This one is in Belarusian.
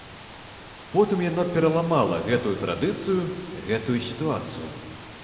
Потым яно пераламала гэтую традыцыю, гэтую сітуацыю.